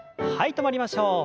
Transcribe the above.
止まりましょう。